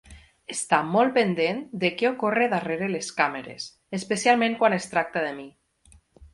Està molt pendent de què ocorre darrere les càmeres, especialment quan es tracta de mi.